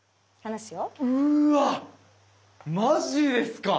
うわまじですか。